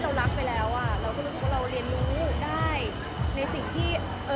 เราก็ไม่เชื่อใช่ป่ะมีค่ะ